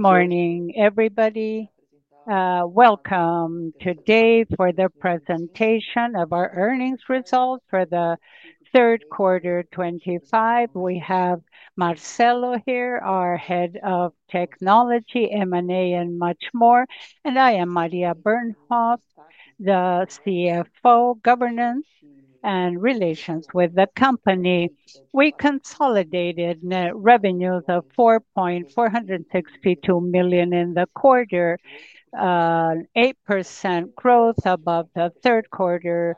Good morning, everybody. Welcome today for the presentation of our earnings results for the third quarter, 2025. We have Marcelo here, our Head of Technology, M&A, and much more. And I am Maria Bernhoeft, the CFO, Governance and Relations with the company. We consolidated revenues of 4,462 million in the quarter, 8% growth above the third quarter,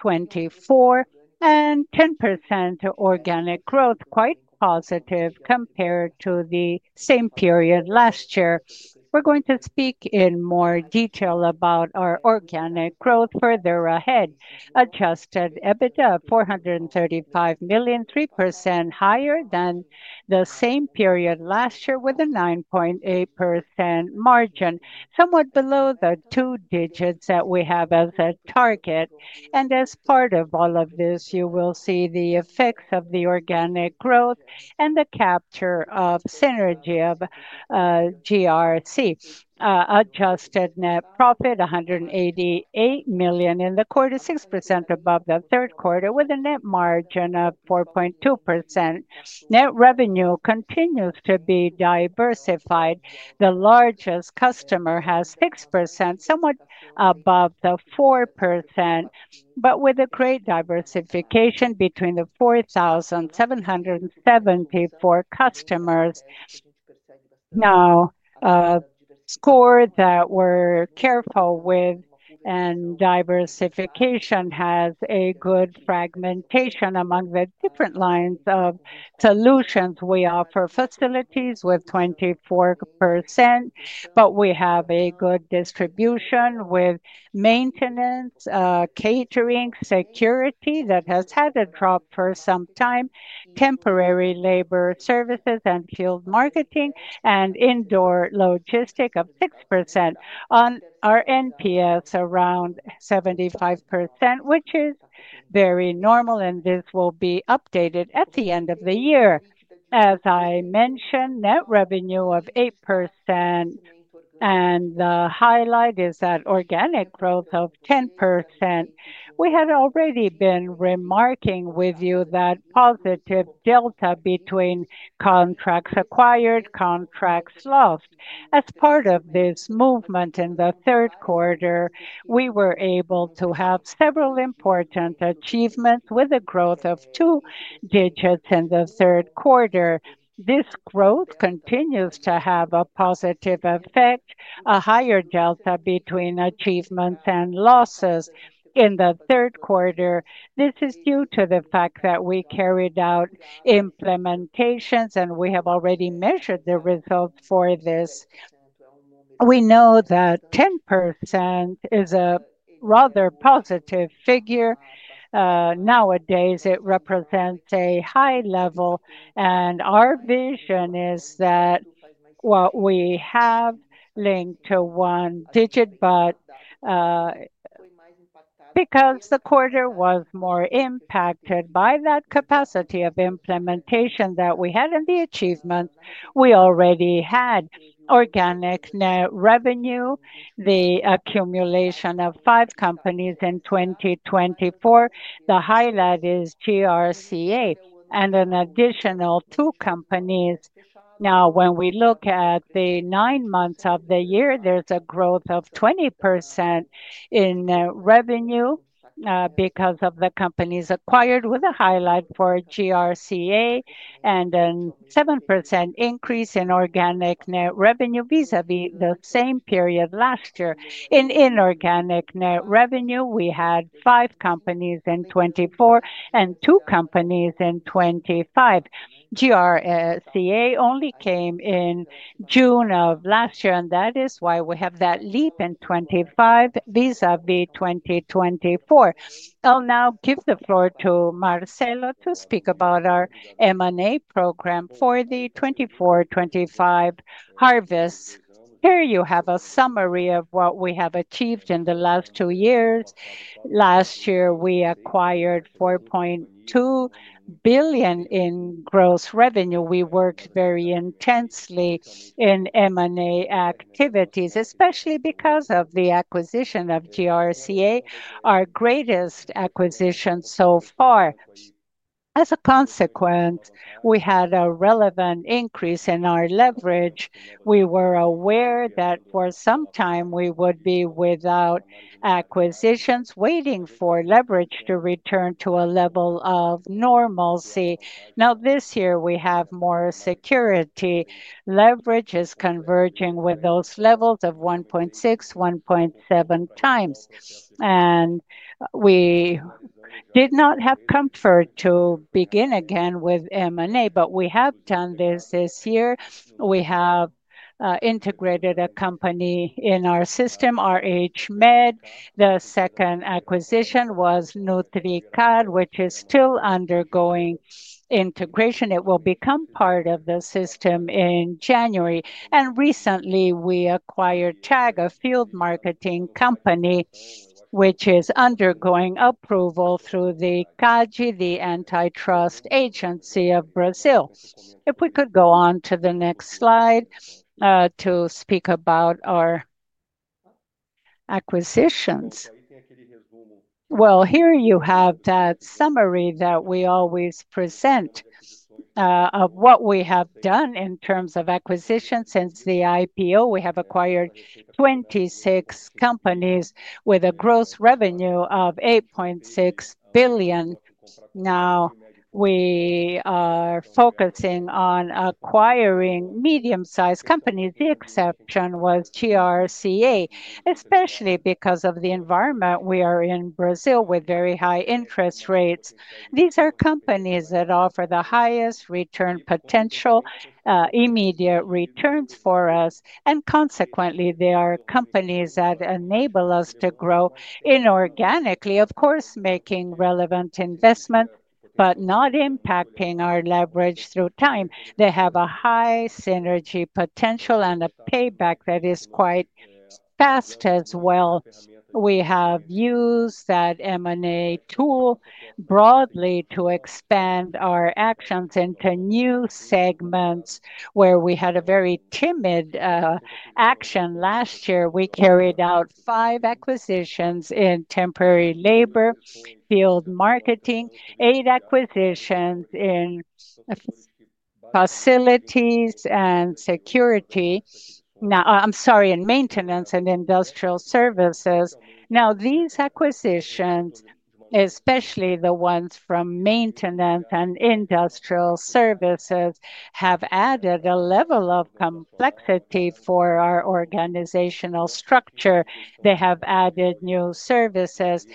2024, and 10% organic growth, quite positive compared to the same period last year. We're going to speak in more detail about our organic growth further ahead. Adjusted EBITDA of 435 million, 3% higher than the same period last year, with a 9.8% margin, somewhat below the two digits that we have as a target. As part of all of this, you will see the effects of the organic growth and the capture of synergy of GRCA. Adjusted net profit, $188 million in the quarter, 6% above the third quarter, with a net margin of 4.2%. Net revenue continues to be diversified. The largest customer has 6%, somewhat above the 4%, but with a great diversification between the 4,774 customers. Now, scores that we're careful with and diversification has a good fragmentation among the different lines of solutions. We offer facilities with 24%, but we have a good distribution with maintenance, catering, security that has had a drop for some time, temporary labor services and field marketing, and indoor logistic of 6%. On our NPS, around 75%, which is very normal, and this will be updated at the end of the year. As I mentioned, net revenue of 8%, and the highlight is that organic growth of 10%. We had already been remarking with you that positive delta between contracts acquired, contracts lost. As part of this movement in the third quarter, we were able to have several important achievements with a growth of two digits in the third quarter. This growth continues to have a positive effect, a higher delta between achievements and losses in the third quarter. This is due to the fact that we carried out implementations, and we have already measured the results for this. We know that 10% is a rather positive figure. Nowadays, it represents a high level, and our vision is that what we have linked to one digit, but because the quarter was more impacted by that capacity of implementation that we had in the achievements, we already had organic net revenue, the accumulation of five companies in 2024. The highlight is GRCA and an additional two companies. Now, when we look at the nine months of the year, there's a growth of 20% in revenue because of the companies acquired with a highlight for GRCA and a 7% increase in organic net revenue vis-à-vis the same period last year. In inorganic net revenue, we had five companies in 2024 and two companies in 2025. GRCA only came in June of last year, and that is why we have that leap in 2025 vis-à-vis 2024. I'll now give the floor to Marcelo to speak about our M&A program for the 2024-2025 harvest. Here you have a summary of what we have achieved in the last two years. Last year, we acquired 4.2 billion in gross revenue. We worked very intensely in M&A activities, especially because of the acquisition of GRCA, our greatest acquisition so far. As a consequence, we had a relevant increase in our leverage. We were aware that for some time we would be without acquisitions, waiting for leverage to return to a level of normalcy. Now, this year, we have more security. Leverage is converging with those levels of 1.6-1.7 times. We did not have comfort to begin again with M&A, but we have done this this year. We have integrated a company in our system, RH Med. The second acquisition was NutriCard, which is still undergoing integration. It will become part of the system in January. Recently, we acquired TAG, a field marketing company, which is undergoing approval through the CADE, the Antitrust Agency of Brazil. If we could go on to the next slide to speak about our acquisitions. Here you have that summary that we always present of what we have done in terms of acquisitions since the IPO. We have acquired 26 companies with a gross revenue of 8.6 billion. Now, we are focusing on acquiring medium-sized companies. The exception was GRCA, especially because of the environment we are in Brazil with very high interest rates. These are companies that offer the highest return potential, immediate returns for us, and consequently, they are companies that enable us to grow inorganically, of course, making relevant investments, but not impacting our leverage through time. They have a high synergy potential and a payback that is quite fast as well. We have used that M&A tool broadly to expand our actions into new segments where we had a very timid action last year. We carried out five acquisitions in temporary labor, field marketing, eight acquisitions in facilities and security. Now, I'm sorry, in maintenance and industrial services. Now, these acquisitions, especially the ones from maintenance and industrial services, have added a level of complexity for our organizational structure. They have added new services.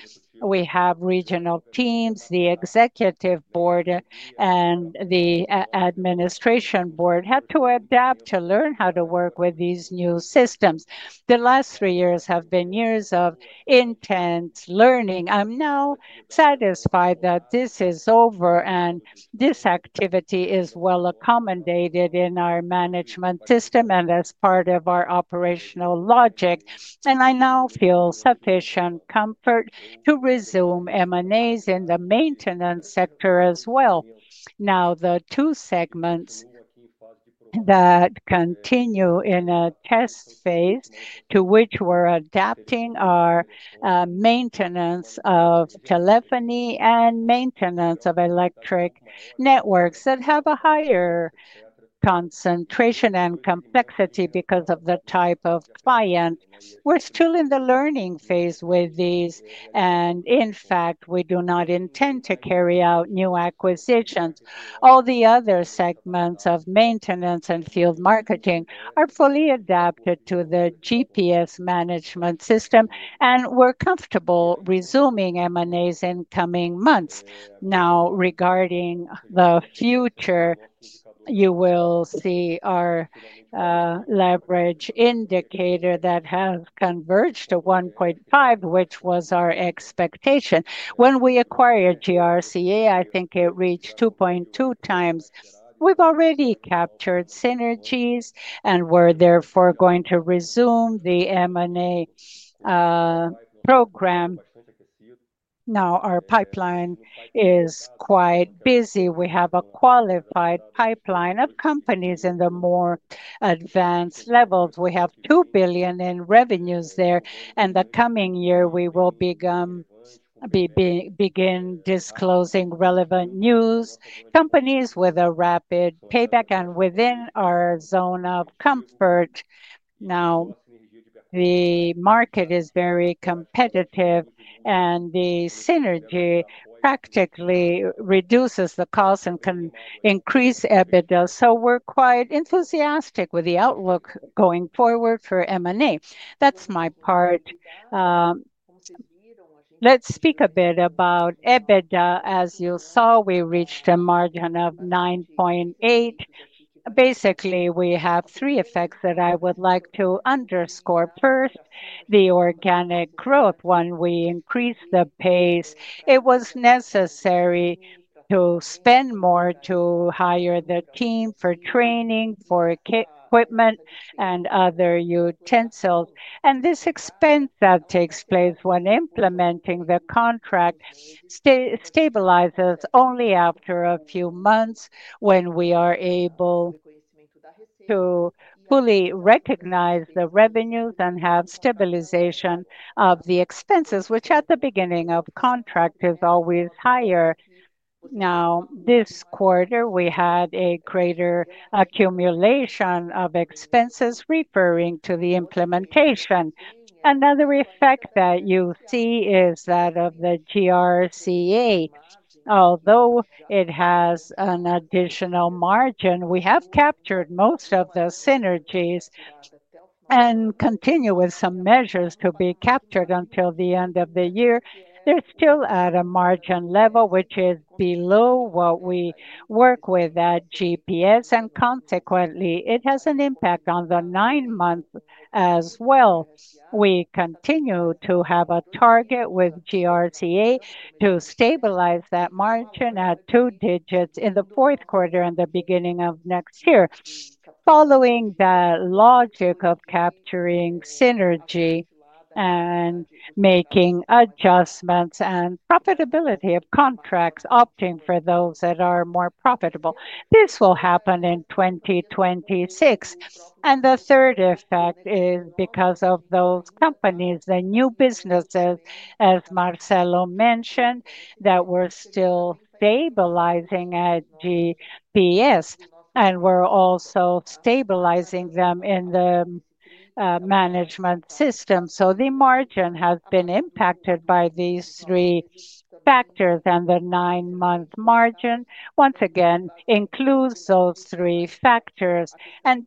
We have regional teams. The Executive Board and the Administration Board had to adapt to learn how to work with these new systems. The last three years have been years of intense learning. I'm now satisfied that this is over and this activity is well accommodated in our management system and as part of our operational logic. I now feel sufficient comfort to resume M&As in the maintenance sector as well. The two segments that continue in a test phase to which we're adapting are maintenance of telephony and maintenance of electric networks that have a higher concentration and complexity because of the type of client. We're still in the learning phase with these, and in fact, we do not intend to carry out new acquisitions. All the other segments of maintenance and field marketing are fully adapted to the GPS management system, and we're comfortable resuming M&As in coming months. Now, regarding the future, you will see our leverage indicator that has converged to 1.5, which was our expectation. When we acquired GRCA, I think it reached 2.2 times. We've already captured synergies and we're therefore going to resume the M&A program. Now, our pipeline is quite busy. We have a qualified pipeline of companies in the more advanced levels. We have 2 billion in revenues there, and the coming year, we will begin disclosing relevant news, companies with a rapid payback and within our zone of comfort. Now, the market is very competitive, and the synergy practically reduces the cost and can increase EBITDA. We're quite enthusiastic with the outlook going forward for M&A. That's my part. Let's speak a bit about EBITDA. As you saw, we reached a margin of 9.8%. Basically, we have three effects that I would like to underscore. First, the organic growth. When we increased the pace, it was necessary to spend more to hire the team for training, for equipment, and other utensils. This expense that takes place when implementing the contract stabilizes only after a few months when we are able to fully recognize the revenues and have stabilization of the expenses, which at the beginning of the contract is always higher. This quarter, we had a greater accumulation of expenses referring to the implementation. Another effect that you see is that of the GRCA. Although it has an additional margin, we have captured most of the synergies and continue with some measures to be captured until the end of the year. They are still at a margin level, which is below what we work with at GPS, and consequently, it has an impact on the nine months as well. We continue to have a target with GRCA to stabilize that margin at two digits in the fourth quarter and the beginning of next year. Following that logic of capturing synergy and making adjustments and profitability of contracts, opting for those that are more profitable, this will happen in 2026. The third effect is because of those companies, the new businesses, as Marcelo mentioned, that we are still stabilizing at GPS and we are also stabilizing them in the management system. The margin has been impacted by these three factors, and the nine-month margin once again includes those three factors.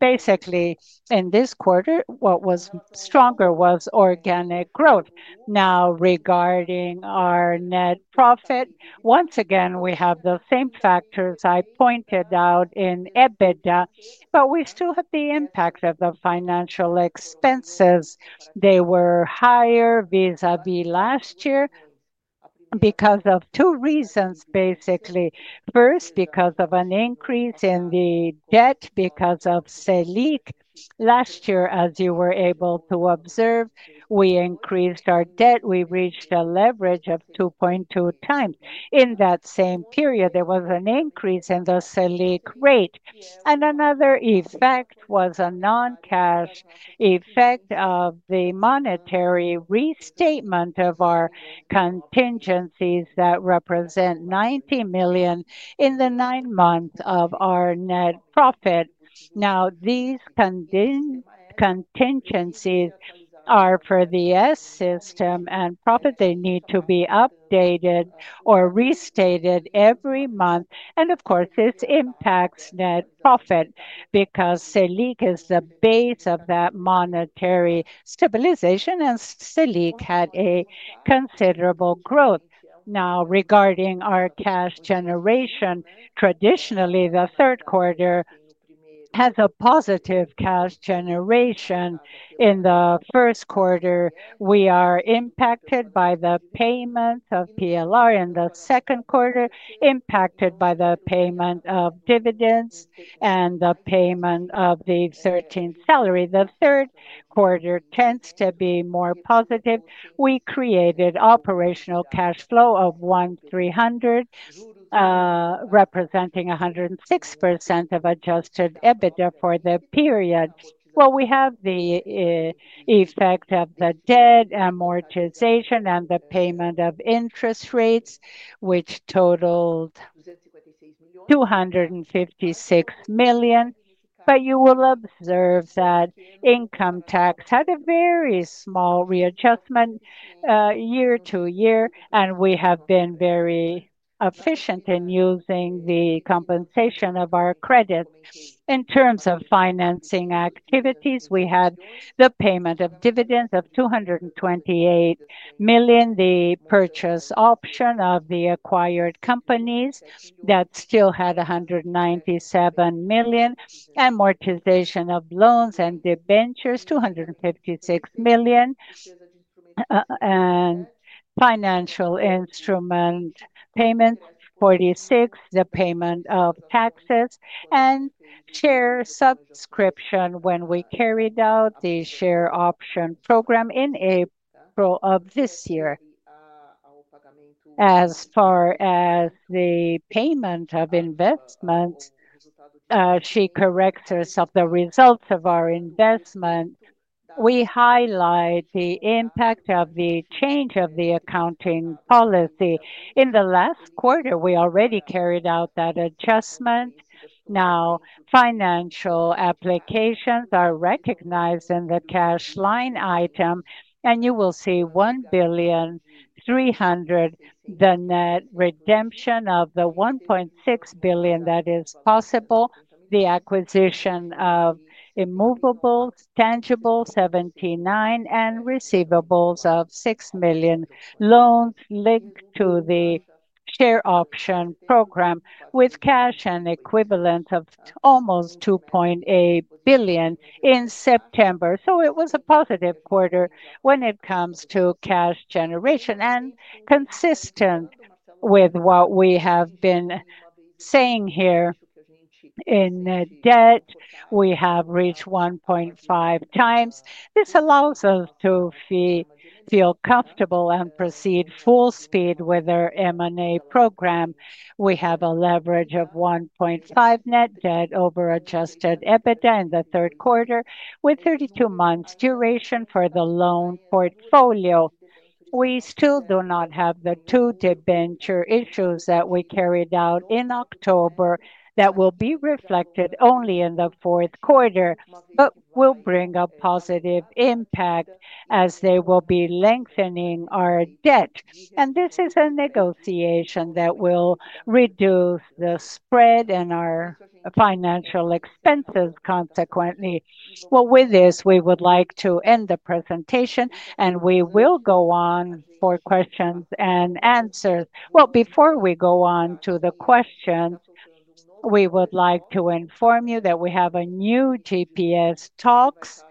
Basically, in this quarter, what was stronger was organic growth. Now, regarding our net profit, once again, we have the same factors I pointed out in EBITDA, but we still have the impact of the financial expenses. They were higher vis-à-vis last year because of two reasons, basically. First, because of an increase in the debt because of SELIC. Last year, as you were able to observe, we increased our debt. We reached a leverage of 2.2 times. In that same period, there was an increase in the SELIC rate. Another effect was a non-cash effect of the monetary restatement of our contingencies that represent 90 million in the nine months of our net profit. These contingencies are for the S system and profit. They need to be updated or restated every month. Of course, this impacts net profit because SELIC is the base of that monetary stabilization, and SELIC had a considerable growth. Now, regarding our cash generation, traditionally, the third quarter has a positive cash generation. In the first quarter, we are impacted by the payment of PLR, in the second quarter, impacted by the payment of dividends and the payment of the 13th salary. The third quarter tends to be more positive. We created operational cash flow of 1,300 million, representing 106% of adjusted EBITDA for the period. We have the effect of the debt amortization and the payment of interest rates, which totaled 256 million. You will observe that income tax had a very small readjustment year to year, and we have been very efficient in using the compensation of our credits. In terms of financing activities, we had the payment of dividends of 228 million, the purchase option of the acquired companies that still had 197 million, amortization of loans and debentures 256 million, and financial instrument payments 46 million, the payment of taxes and share subscription when we carried out the share option program in April of this year. As far as the payment of investments, she corrected some of the results of our investment. We highlight the impact of the change of the accounting policy. In the last quarter, we already carried out that adjustment. Now, financial applications are recognized in the cash line item, and you will see 1,300 million, the net redemption of the 1.6 billion that is possible, the acquisition of immovables, tangibles, 79 million, and receivables of 6 million, loans linked to the share option program with cash and equivalent of almost 2.8 billion in September. It was a positive quarter when it comes to cash generation and consistent with what we have been saying here. In debt, we have reached 1.5 times. This allows us to feel comfortable and proceed full speed with our M&A program. We have a leverage of 1.5 net debt over adjusted EBITDA in the third quarter with 32 months' duration for the loan portfolio. We still do not have the two debenture issues that we carried out in October that will be reflected only in the fourth quarter, but will bring a positive impact as they will be lengthening our debt. This is a negotiation that will reduce the spread in our financial expenses, consequently. With this, we would like to end the presentation, and we will go on for questions and answers. Before we go on to the questions, we would like to inform you that we have a new GPS Talks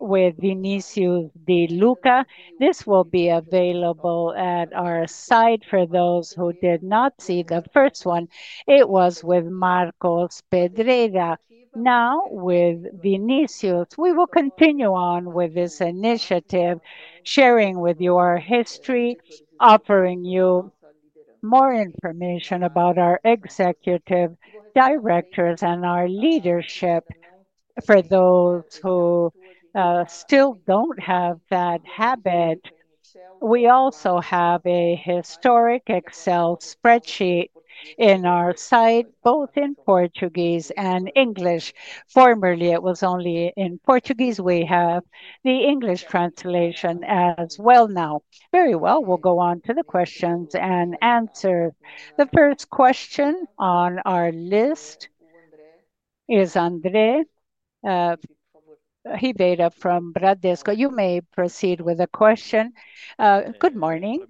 with Vinicius de Luca. This will be available at our site for those who did not see the first one. It was with Marcos Pedreira. Now, with Vinicius, we will continue on with this initiative, sharing with you our history, offering you more information about our executive directors and our leadership. For those who still do not have that habit, we also have a historic Excel spreadsheet in our site, both in Portuguese and English. Formerly, it was only in Portuguese. We have the English translation as well now. Very well, we will go on to the questions and answers. The first question on our list is André Ribeira from Bradesco. You may proceed with the question. Good morning.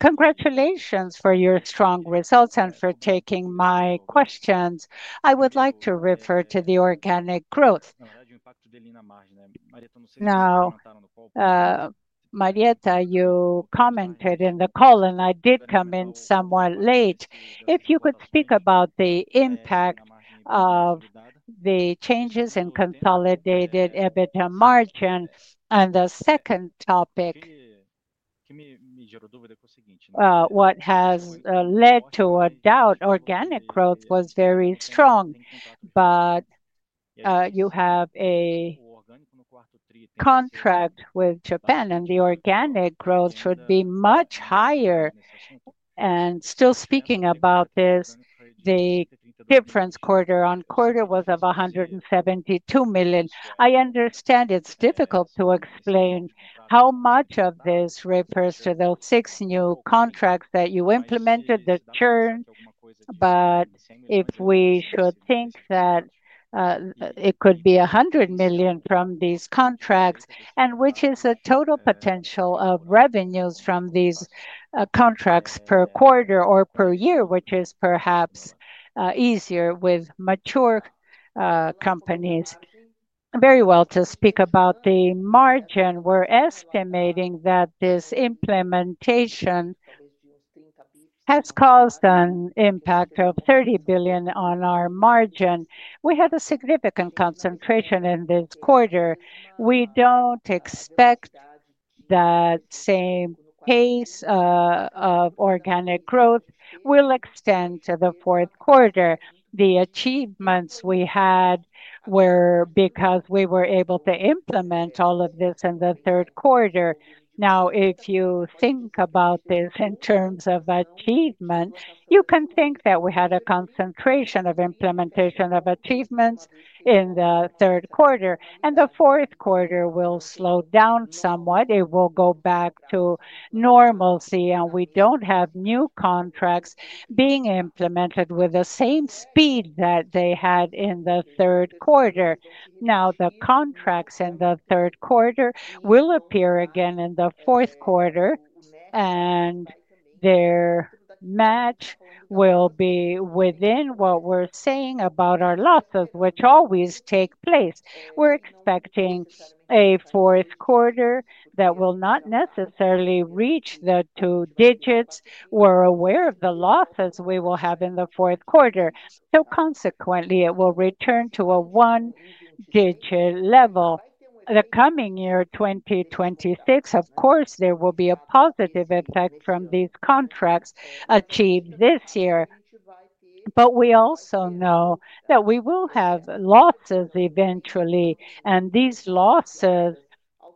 Congratulations for your strong results and for taking my questions. I would like to refer to the organic growth. Now, Maria, you commented in the call, and I did come in somewhat late. If you could speak about the impact of the changes in consolidated EBITDA margin and the second topic, what has led to a doubt, organic growth was very strong, but you have a contract with Japan, and the organic growth should be much higher. Still speaking about this, the difference quarter-on-quarter was 172 million. I understand it's difficult to explain how much of this refers to the six new contracts that you implemented, the churn, but if we should think that it could be 100 million from these contracts, and which is a total potential of revenues from these contracts per quarter or per year, which is perhaps easier with mature companies. Very well, to speak about the margin, we're estimating that this implementation has caused an impact of 30 billion on our margin. We had a significant concentration in this quarter. We don't expect that same pace of organic growth will extend to the fourth quarter. The achievements we had were because we were able to implement all of this in the third quarter. Now, if you think about this in terms of achievements, you can think that we had a concentration of implementation of achievements in the third quarter. The fourth quarter will slow down somewhat. It will go back to normalcy, and we don't have new contracts being implemented with the same speed that they had in the third quarter. Now, the contracts in the third quarter will appear again in the fourth quarter, and their match will be within what we're saying about our losses, which always take place. We're expecting a fourth quarter that will not necessarily reach the two digits. We're aware of the losses we will have in the fourth quarter. Consequently, it will return to a one-digit level. The coming year, 2026, of course, there will be a positive effect from these contracts achieved this year. We also know that we will have losses eventually, and these losses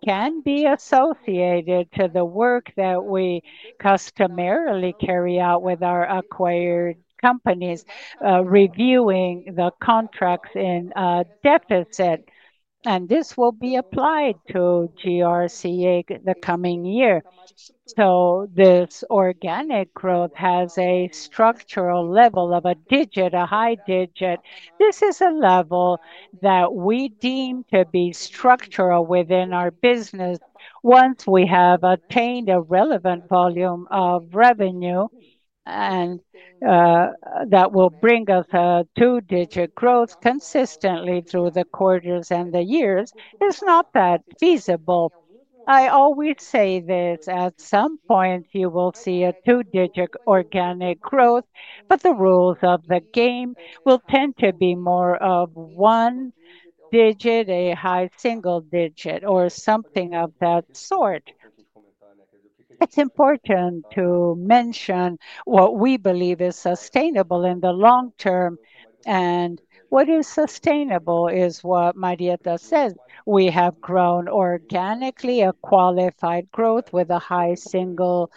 can be associated to the work that we customarily carry out with our acquired companies, reviewing the contracts in deficit. This will be applied to GRCA the coming year. This organic growth has a structural level of a digit, a high digit. This is a level that we deem to be structural within our business. Once we have attained a relevant volume of revenue and that will bring us a two-digit growth consistently through the quarters and the years, it's not that feasible. I always say this, at some point, you will see a two-digit organic growth, but the rules of the game will tend to be more of one digit, a high single digit, or something of that sort. It's important to mention what we believe is sustainable in the long term. What is sustainable is what Maria Bernhoeft said. We have grown organically, a qualified growth with a high single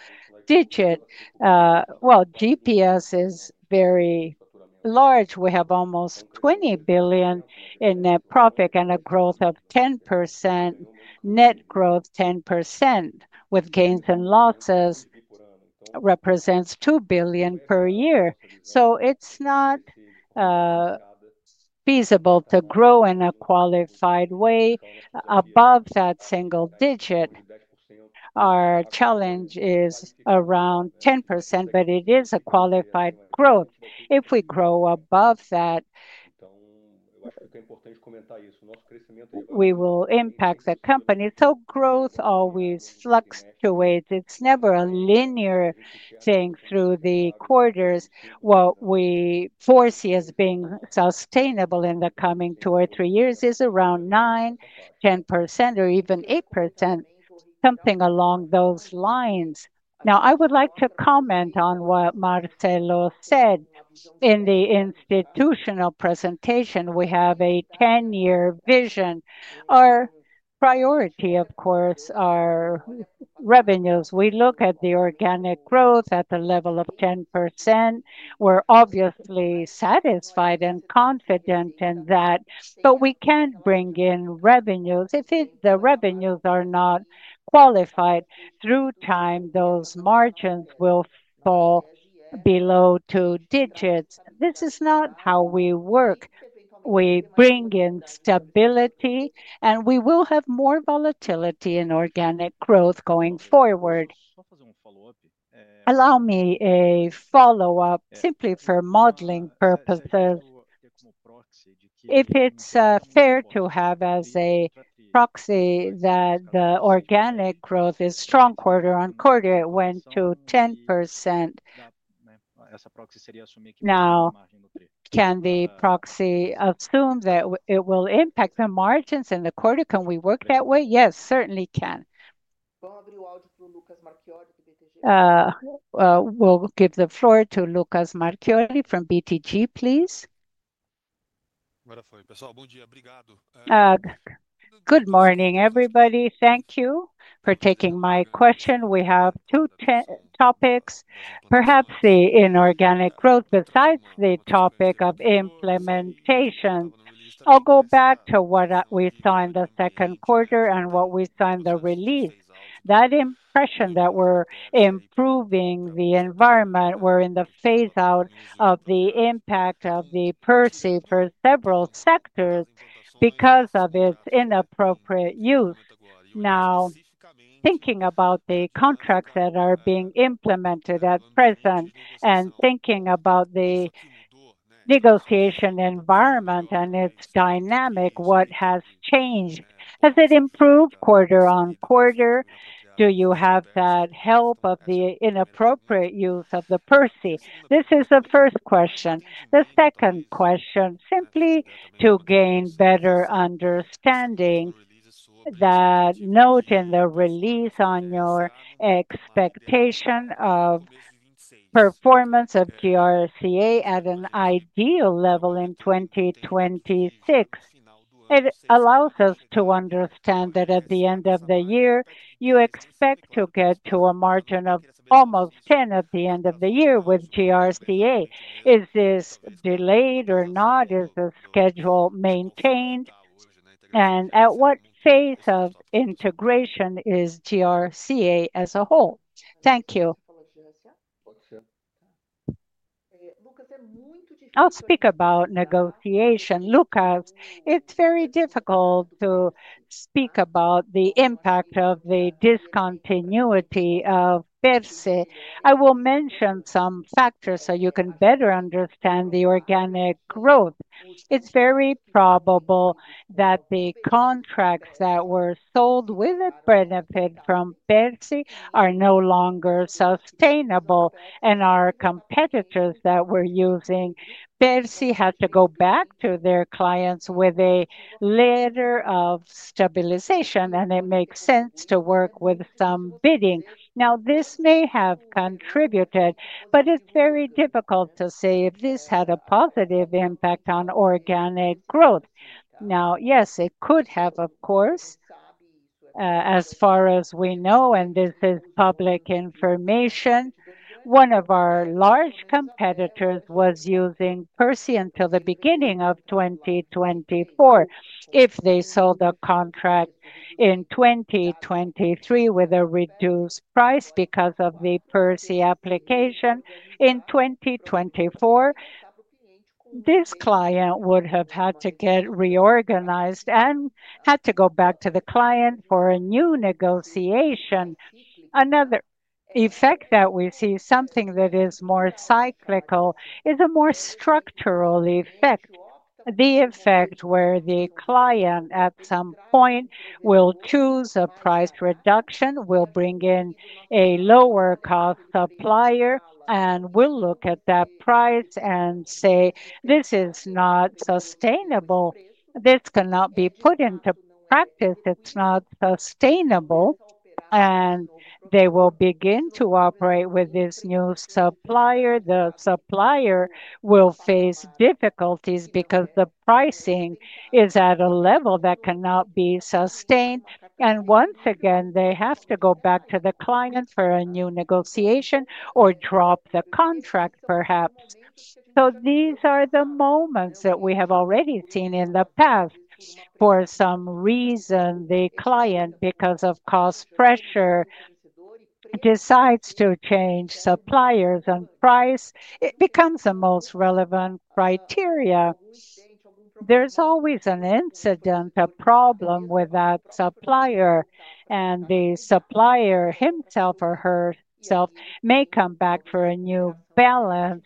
digit. GPS is very large. We have almost 20 billion in net profit and a growth of 10%, net growth 10%, with gains and losses represents 2 billion per year. It is not feasible to grow in a qualified way above that single digit. Our challenge is around 10%, but it is a qualified growth. If we grow above that, we will impact the company. Growth always fluctuates. It is never a linear thing through the quarters. What we foresee as being sustainable in the coming two or three years is around 9-10%, or even 8%, something along those lines. Now, I would like to comment on what Marcelo said. In the institutional presentation, we have a 10-year vision. Our priority, of course, is revenues. We look at the organic growth at the level of 10%. We are obviously satisfied and confident in that, but we cannot bring in revenues. If the revenues are not qualified through time, those margins will fall below two digits. This is not how we work. We bring in stability, and we will have more volatility in organic growth going forward. Allow me a follow-up simply for modeling purposes. If it is fair to have as a proxy that the organic growth is strong quarter-on-quarter, it went to 10%. Now, can the proxy assume that it will impact the margins in the quarter? Can we work that way? Yes, certainly can. We will give the floor to Lucas Marchioni from BTG Pactual, please. Good morning, everybody. Thank you for taking my question. We have two topics, perhaps the inorganic growth besides the topic of implementation. I will go back to what we saw in the second quarter and what we saw in the release. That impression that we are improving the environment, we are in the phase-out of the impact of the per se for several sectors because of its inappropriate use. Now, thinking about the contracts that are being implemented at present and thinking about the negotiation environment and its dynamic, what has changed? Has it improved quarter-on-quarter? Do you have that help of the inappropriate use of the per se? This is the first question. The second question, simply to gain better understanding, that note in the release on your expectation of performance of GRCA at an ideal level in 2026. It allows us to understand that at the end of the year, you expect to get to a margin of almost 10% at the end of the year with GRCA. Is this delayed or not? Is the schedule maintained? And at what phase of integration is GRCA as a whole? Thank you. I'll speak about negotiation. Lucas, it's very difficult to speak about the impact of the discontinuity of per se. I will mention some factors so you can better understand the organic growth. It's very probable that the contracts that were sold with a benefit from per se are no longer sustainable, and our competitors that were using per se had to go back to their clients with a letter of stabilization, and it makes sense to work with some bidding. Now, this may have contributed, but it's very difficult to say if this had a positive impact on organic growth. Now, yes, it could have, of course, as far as we know, and this is public information. One of our large competitors was using per se until the beginning of 2024. If they sold a contract in 2023 with a reduced price because of the per se application in 2024, this client would have had to get reorganized and had to go back to the client for a new negotiation. Another effect that we see, something that is more cyclical, is a more structural effect, the effect where the client at some point will choose a price reduction, will bring in a lower-cost supplier, and will look at that price and say, "This is not sustainable. This cannot be put into practice. It's not sustainable." They will begin to operate with this new supplier. The supplier will face difficulties because the pricing is at a level that cannot be sustained. Once again, they have to go back to the client for a new negotiation or drop the contract, perhaps. These are the moments that we have already seen in the past. For some reason, the client, because of cost pressure, decides to change suppliers and price. It becomes the most relevant criteria. There is always an incident, a problem with that supplier, and the supplier himself or herself may come back for a new balance.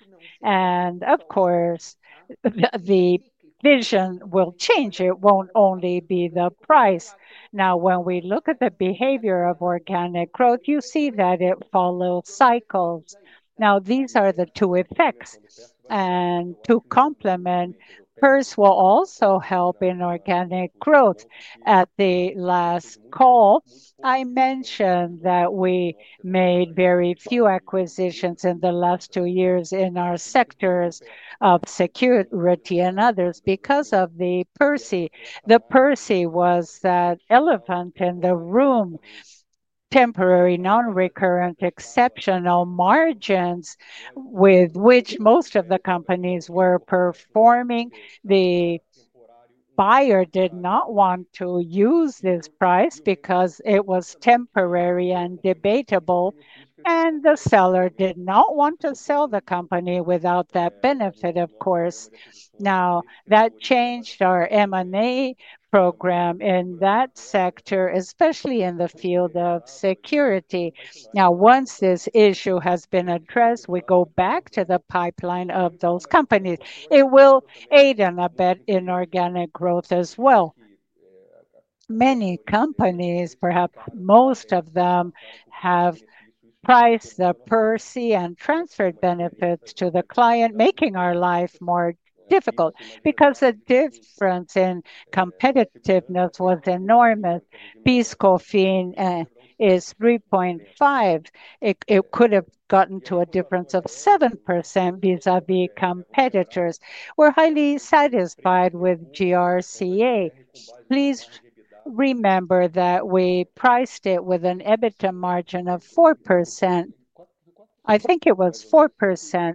Of course, the vision will change. It will not only be the price. Now, when we look at the behavior of organic growth, you see that it follows cycles. These are the two effects. To complement, per se will also help in organic growth. At the last call, I mentioned that we made very few acquisitions in the last two years in our sectors of security and others because of the per se. The per se was that elephant in the room, temporary, non-recurrent, exceptional margins with which most of the companies were performing. The buyer did not want to use this price because it was temporary and debatable, and the seller did not want to sell the company without that benefit, of course. Now, that changed our M&A program in that sector, especially in the field of security. Now, once this issue has been addressed, we go back to the pipeline of those companies. It will aid in a bit in organic growth as well. Many companies, perhaps most of them, have priced the per se and transferred benefits to the client, making our life more difficult because the difference in competitiveness was enormous. Peace Coffee is 3.5. It could have gotten to a difference of 7% vis-à-vis competitors. We're highly satisfied with GRCA. Please remember that we priced it with an EBITDA margin of 4%. I think it was 4%.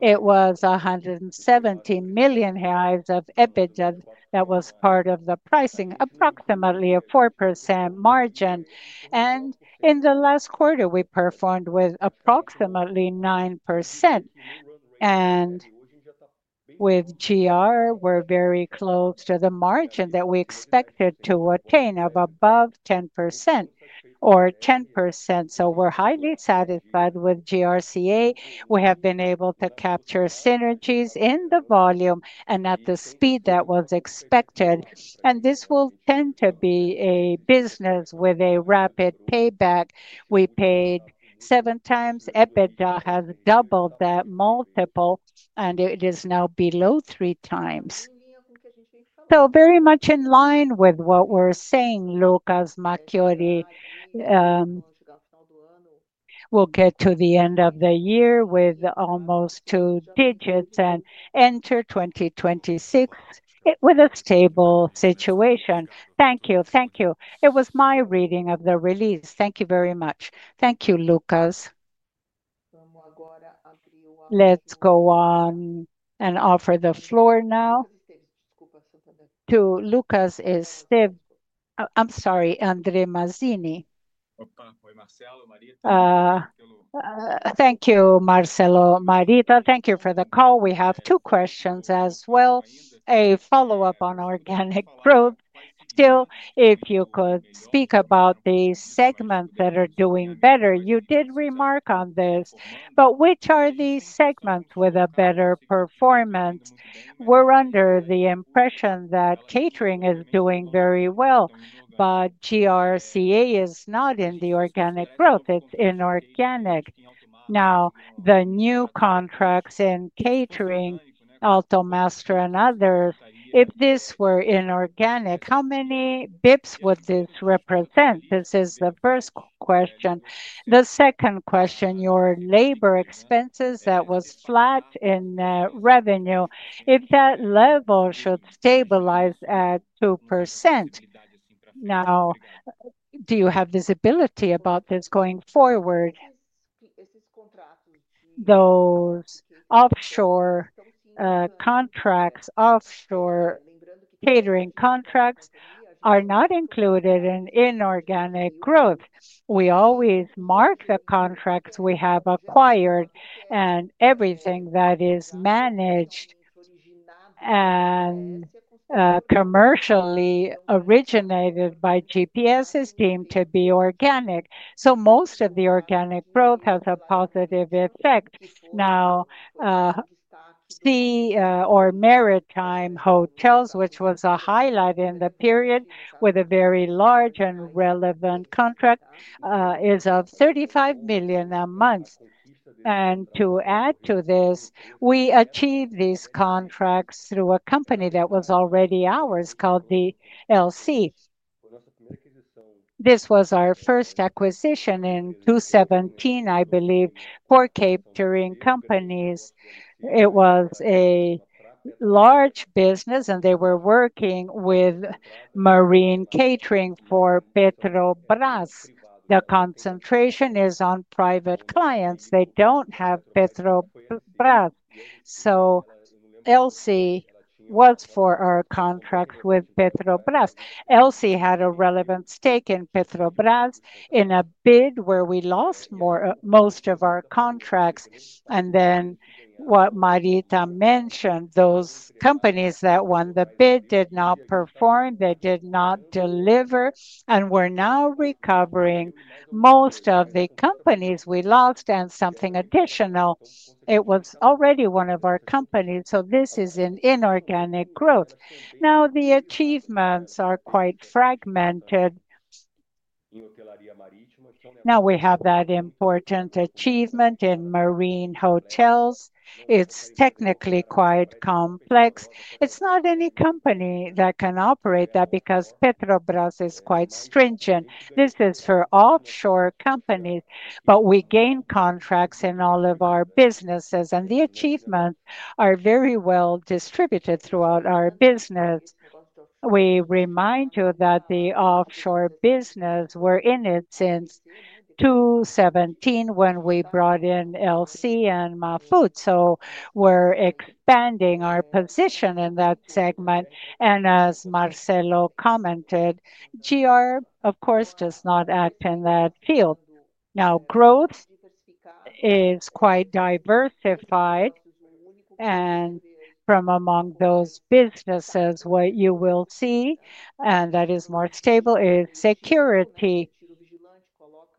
It was 170 million reais hires of EBITDA that was part of the pricing, approximately a 4% margin. In the last quarter, we performed with approximately 9%. With GRCA, we are very close to the margin that we expected to attain of above 10% or 10%. We are highly satisfied with GRCA. We have been able to capture synergies in the volume and at the speed that was expected. This will tend to be a business with a rapid payback. We paid seven times. EBITDA has doubled that multiple, and it is now below three times. Very much in line with what we are saying, Lucas Marchioni. We will get to the end of the year with almost two digits and enter 2026 with a stable situation. Thank you, thank you. It was my reading of the release. Thank you very much. Thank you, Lucas. Let's go on and offer the floor now to Lucas and Steve. I'm sorry, André Mazini. Thank you, Marcelo Marita. Thank you for the call. We have two questions as well. A follow-up on organic growth. Still, if you could speak about the segments that are doing better. You did remark on this, but which are the segments with a better performance? We're under the impression that catering is doing very well, but GRCA is not in the organic growth. It's inorganic. Now, the new contracts in catering, Alto Master and others, if this were inorganic, how many basis points would this represent? This is the first question. The second question, your labor expenses that was flat in revenue, if that level should stabilize at 2%. Now, do you have visibility about this going forward? Those offshore contracts, offshore catering contracts are not included in inorganic growth. We always mark the contracts we have acquired and everything that is managed and commercially originated by GPS is deemed to be organic. Most of the organic growth has a positive effect. Now, sea or maritime hotels, which was a highlight in the period with a very large and relevant contract, is of 35 million a month. To add to this, we achieved these contracts through a company that was already ours called LC. This was our first acquisition in 2017, I believe, for catering companies. It was a large business, and they were working with Marine Catering for Petrobras. The concentration is on private clients. They do not have Petrobras. LC was for our contracts with Petrobras. LC had a relevant stake in Petrobras in a bid where we lost most of our contracts. What Maria mentioned, those companies that won the bid did not perform. They did not deliver and we are now recovering most of the companies we lost and something additional. It was already one of our companies. This is in inorganic growth. Now, the achievements are quite fragmented. We have that important achievement in marine hotels. It is technically quite complex. It is not any company that can operate that because Petrobras is quite stringent. This is for offshore companies, but we gain contracts in all of our businesses, and the achievements are very well distributed throughout our business. We remind you that the offshore business, we are in it since 2017 when we brought in LC and Mafut. We are expanding our position in that segment. As Marcelo commented, GR, of course, does not act in that field. Now, growth is quite diversified, and from among those businesses, what you will see, and that is more stable, is security.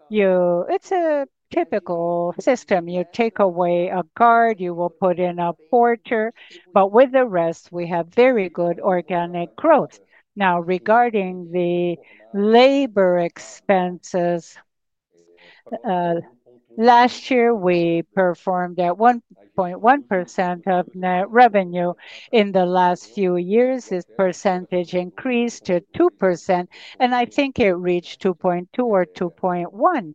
It's a typical system. You take away a guard, you will put in a porter, but with the rest, we have very good organic growth. Now, regarding the labor expenses, last year we performed at 1.1% of net revenue. In the last few years, this percentage increased to 2%, and I think it reached 2.2% or 2.1%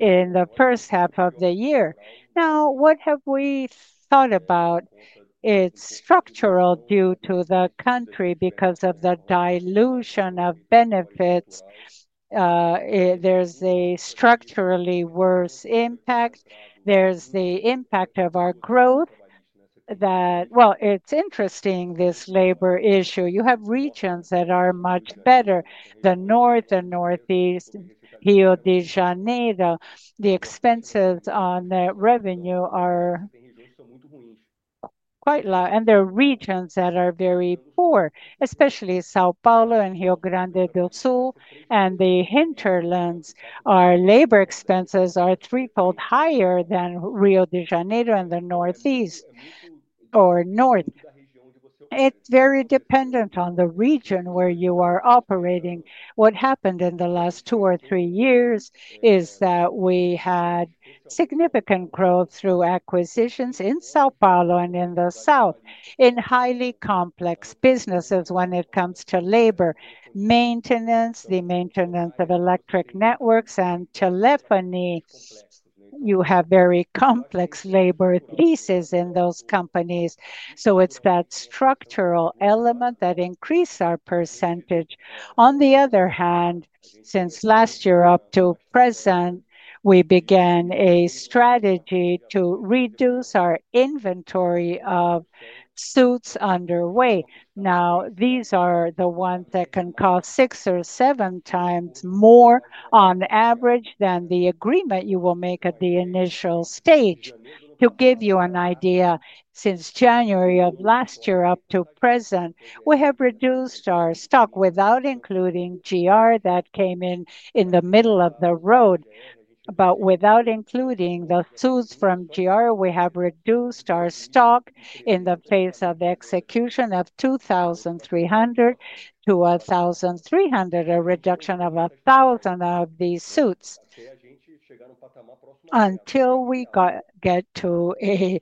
in the first half of the year. Now, what have we thought about its structural due to the country because of the dilution of benefits? There's a structurally worse impact. There's the impact of our growth that, well, it's interesting, this labor issue. You have regions that are much better, the North and Northeast, Rio de Janeiro. The expenses on revenue are quite low, and there are regions that are very poor, especially São Paulo and Rio Grande do Sul, and the hinterlands. Our labor expenses are threefold higher than Rio de Janeiro and the Northeast or North. It's very dependent on the region where you are operating. What happened in the last two or three years is that we had significant growth through acquisitions in São Paulo and in the South in highly complex businesses when it comes to labor maintenance, the maintenance of electric networks and telephony. You have very complex labor pieces in those companies. It's that structural element that increased our percentage. On the other hand, since last year up to present, we began a strategy to reduce our inventory of suits underway. Now, these are the ones that can cost six or seven times more on average than the agreement you will make at the initial stage. To give you an idea, since January of last year up to present, we have reduced our stock without including GRCA that came in in the middle of the road. Without including the suits from GRCA, we have reduced our stock in the phase of execution from 2,300 to 1,300, a reduction of 1,000 of these suits. Until we get to a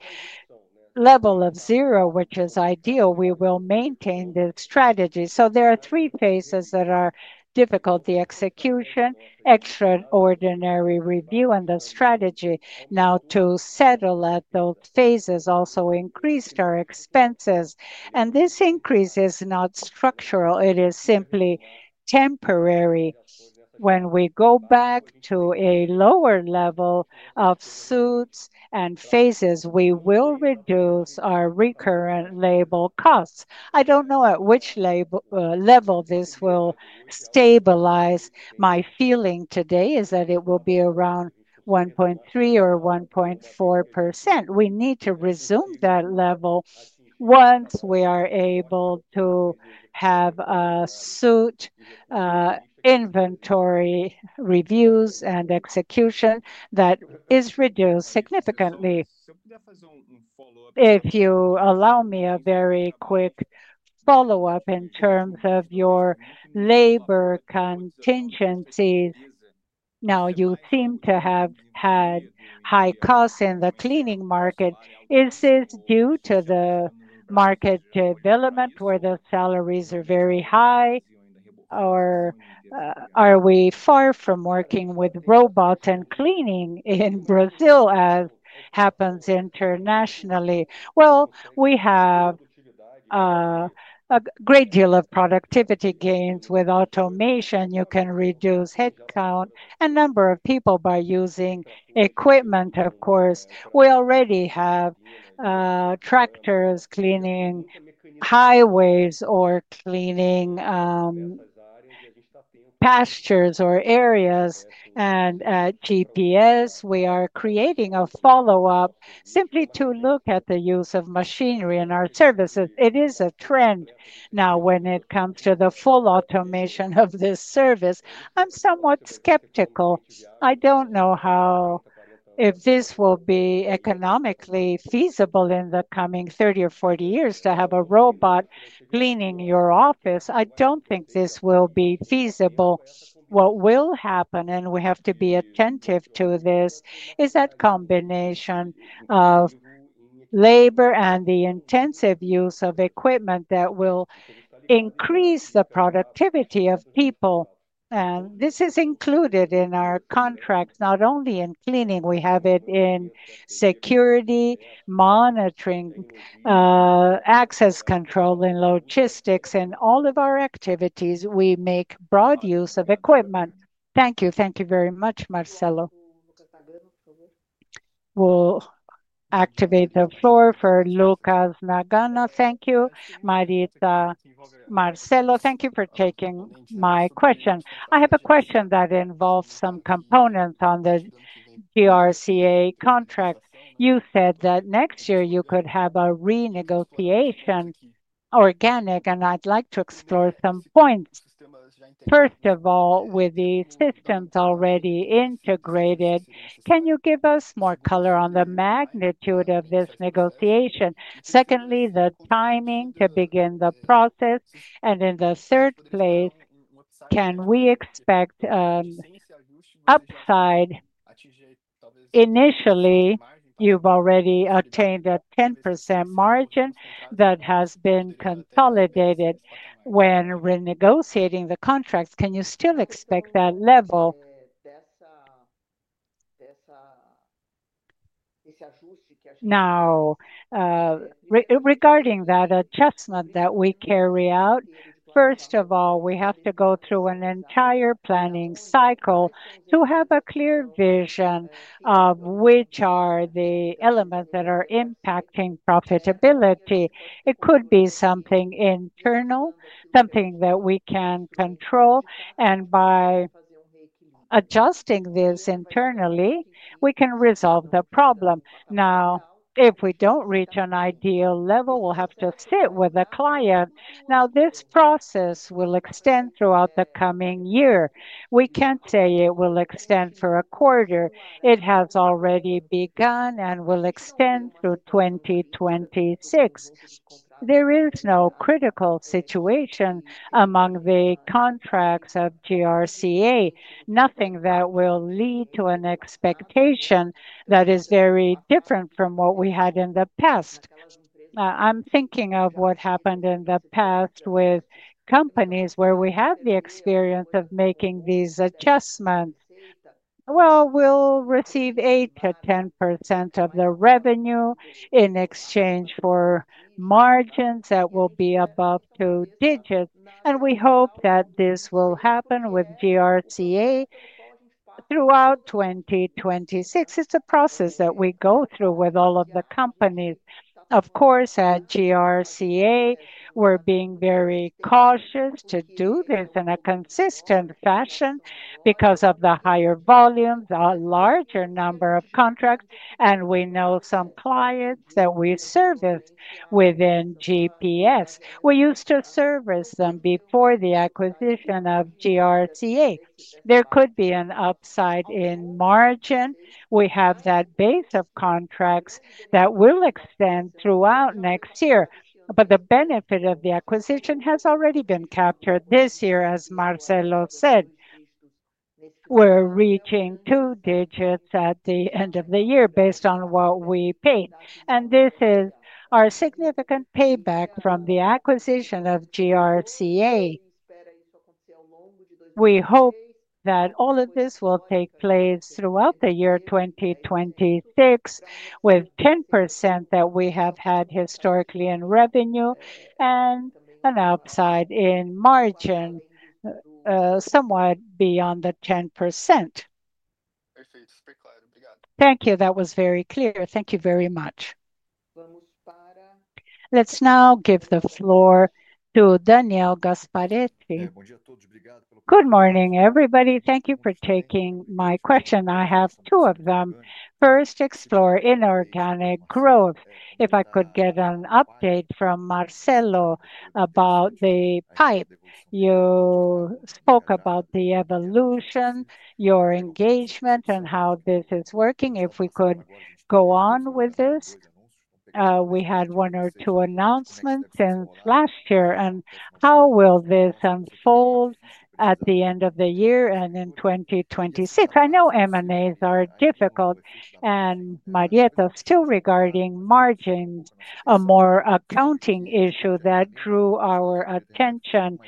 level of zero, which is ideal, we will maintain this strategy. There are three phases that are difficult: the execution, extraordinary review, and the strategy. Now, to settle at those phases also increased our expenses. This increase is not structural. It is simply temporary. When we go back to a lower level of suits and phases, we will reduce our recurrent labor costs. I don't know at which level this will stabilize. My feeling today is that it will be around 1.3% or 1.4%. We need to resume that level once we are able to have a suit inventory reviews and execution that is reduced significantly. If you allow me a very quick follow-up in terms of your labor contingencies. Now, you seem to have had high costs in the cleaning market. Is this due to the market development where the salaries are very high, or are we far from working with robots and cleaning in Brazil, as happens internationally? We have a great deal of productivity gains with automation. You can reduce headcount and number of people by using equipment, of course. We already have tractors cleaning highways or cleaning pastures or areas. At GPS, we are creating a follow-up simply to look at the use of machinery in our services. It is a trend now when it comes to the full automation of this service. I'm somewhat skeptical. I don't know if this will be economically feasible in the coming 30 or 40 years to have a robot cleaning your office. I don't think this will be feasible. What will happen, and we have to be attentive to this, is that combination of labor and the intensive use of equipment that will increase the productivity of people. This is included in our contracts, not only in cleaning. We have it in security, monitoring, access control in logistics, and all of our activities. We make broad use of equipment. Thank you. Thank you very much, Marcelo. We'll activate the floor for Lucas Nagano. Thank you, Maria, Marcelo. Thank you for taking my question. I have a question that involves some components on the GRCA contract. You said that next year you could have a renegotiation organic, and I'd like to explore some points. First of all, with the systems already integrated, can you give us more color on the magnitude of this negotiation? Secondly, the timing to begin the process. In the third place, can we expect upside? Initially, you've already attained a 10% margin that has been consolidated. When renegotiating the contracts, can you still expect that level? Now, regarding that adjustment that we carry out, first of all, we have to go through an entire planning cycle to have a clear vision of which are the elements that are impacting profitability. It could be something internal, something that we can control. By adjusting this internally, we can resolve the problem. If we do not reach an ideal level, we will have to sit with a client. This process will extend throughout the coming year. We cannot say it will extend for a quarter. It has already begun and will extend through 2026. There is no critical situation among the contracts of GRCA, nothing that will lead to an expectation that is very different from what we had in the past. I am thinking of what happened in the past with companies where we have the experience of making these adjustments. We will receive 8%-10% of the revenue in exchange for margins that will be above two digits. We hope that this will happen with GRCA throughout 2026. It is a process that we go through with all of the companies. Of course, at GRCA, we're being very cautious to do this in a consistent fashion because of the higher volumes, a larger number of contracts, and we know some clients that we service within GPS. We used to service them before the acquisition of GRCA. There could be an upside in margin. We have that base of contracts that will extend throughout next year. The benefit of the acquisition has already been captured this year, as Marcelo said. We're reaching two digits at the end of the year based on what we paid. This is our significant payback from the acquisition of GRCA. We hope that all of this will take place throughout the year 2026, with 10% that we have had historically in revenue and an upside in margin somewhat beyond the 10%. Thank you. That was very clear. Thank you very much. Let's now give the floor to Daniel Gasparetti. Good morning, everybody. Thank you for taking my question. I have two of them. First, explore inorganic growth. If I could get an update from Marcelo about the pipe. You spoke about the evolution, your engagement, and how this is working. If we could go on with this. We had one or two announcements since last year. How will this unfold at the end of the year and in 2026? I know M&As are difficult. Marieta, still regarding margins, a more accounting issue that drew our attention.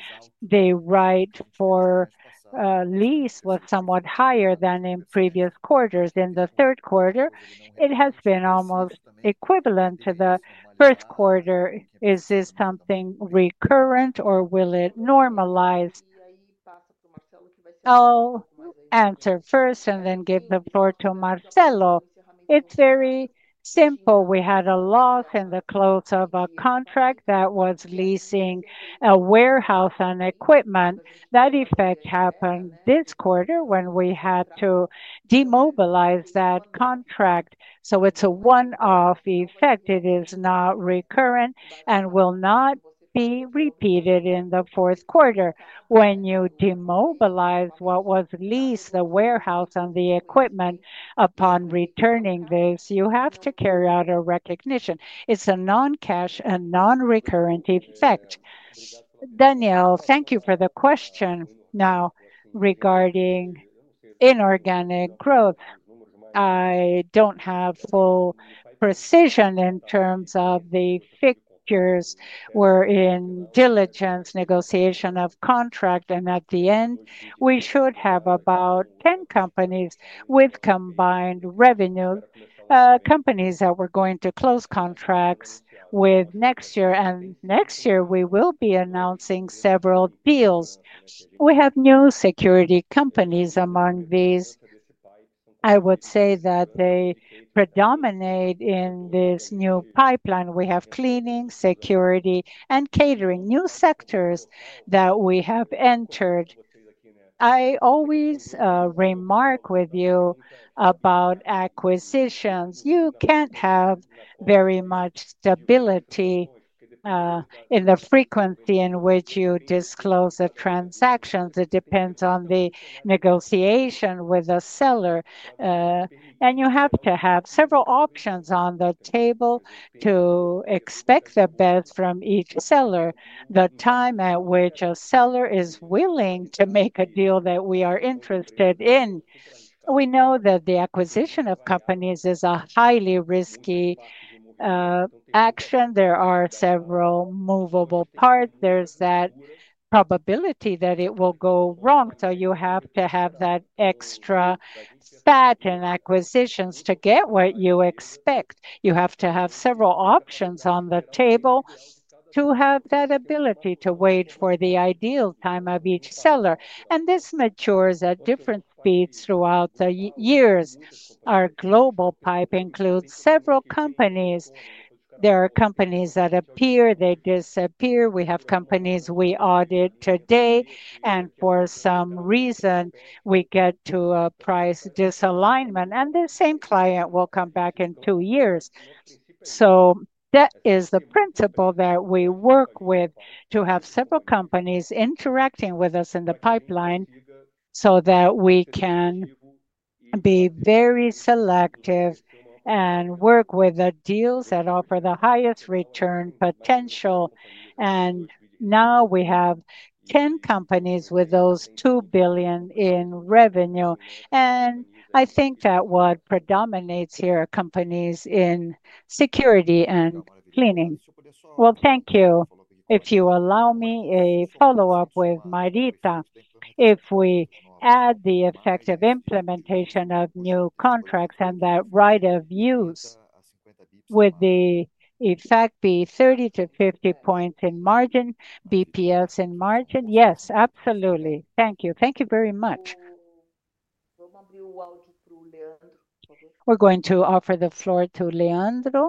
The right for lease was somewhat higher than in previous quarters. In the third quarter, it has been almost equivalent to the first quarter. Is this something recurrent, or will it normalize? I'll answer first and then give the floor to Marcelo. It's very simple. We had a loss in the close of a contract that was leasing a warehouse and equipment. That effect happened this quarter when we had to demobilize that contract. It is a one-off effect. It is not recurrent and will not be repeated in the fourth quarter. When you demobilize what was leased, the warehouse and the equipment, upon returning this, you have to carry out a recognition. It is a non-cash and non-recurrent effect. Daniel, thank you for the question. Now, regarding inorganic growth, I do not have full precision in terms of the figures. We are in diligence negotiation of contract, and at the end, we should have about 10 companies with combined revenue, companies that we are going to close contracts with next year. Next year, we will be announcing several deals. We have new security companies among these. I would say that they predominate in this new pipeline. We have cleaning, security, and catering, new sectors that we have entered. I always remark with you about acquisitions. You cannot have very much stability in the frequency in which you disclose a transaction. It depends on the negotiation with a seller. You have to have several options on the table to expect the best from each seller, the time at which a seller is willing to make a deal that we are interested in. We know that the acquisition of companies is a highly risky action. There are several movable parts. There is that probability that it will go wrong. You have to have that extra spat in acquisitions to get what you expect. You have to have several options on the table to have that ability to wait for the ideal time of each seller. This matures at different speeds throughout the years. Our global pipe includes several companies. There are companies that appear, they disappear. We have companies we audit today. And for some reason, we get to a price disalignment. The same client will come back in two years. That is the principle that we work with to have several companies interacting with us in the pipeline so that we can be very selective and work with the deals that offer the highest return potential. Now we have 10 companies with those 2 billion in revenue. I think that what predominates here are companies in security and cleaning. Thank you. If you allow me a follow-up with Maria Bernhoeft, if we add the effect of implementation of new contracts and that right of use, would the effect be 30-50 basis points in margin, basis points in margin? Yes, absolutely. Thank you. Thank you very much. We're going to offer the floor to Leandro.